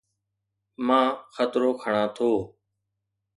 مان خطرو کڻان ٿو